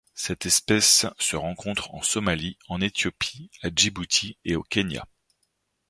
Cette espèce se rencontre en Somalie, en Éthiopie, à Djibouti et au Kenya.